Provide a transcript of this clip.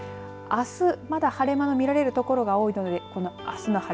あすまだ晴れ間が見られる所が多いです。